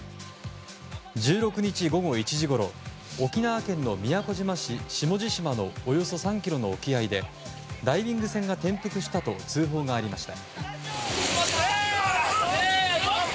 １６日午後１時ごろ沖縄県の宮古島市下地島のおよそ３ｋｍの沖合でダイビング船が転覆したと通報がありました。